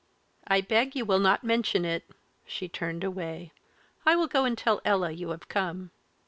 "I beg you will not mention it," she turned away; "I will go and tell Ella you have come."